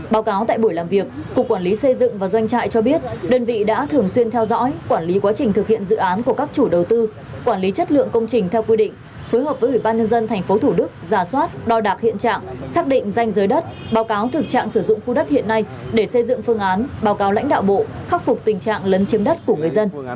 báo cáo tại buổi làm việc cục quản lý xây dựng và doanh trại cho biết đơn vị đã thường xuyên theo dõi quản lý quá trình thực hiện dự án của các chủ đầu tư quản lý chất lượng công trình theo quy định phối hợp với ủy ban nhân dân tp hcm giả soát đo đạc hiện trạng xác định danh giới đất báo cáo thực trạng sử dụng khu đất hiện nay để xây dựng phương án báo cáo lãnh đạo bộ khắc phục tình trạng lấn chiếm đất của người dân